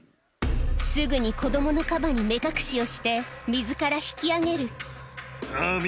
すぐに子供のカバに目隠しをして水から引き上げるさぁ